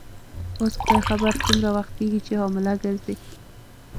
اوس خدای خبر څومره وخت کیږي چي حامله ګرځې.